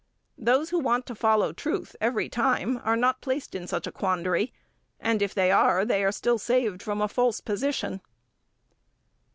Those who want to follow truth every time are not placed in such a quandary, and, if they are, they are still saved from a false position.